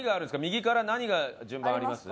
右から何が順番あります？